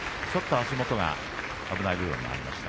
足元が危ない部分がありました。